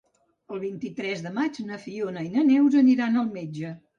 El vint-i-tres de maig na Fiona i na Neus aniran al metge.